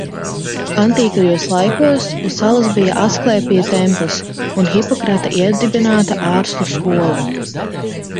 Antīkajos laikos uz salas bija Asklēpija templis un Hipokrata iedibināta ārstu skola.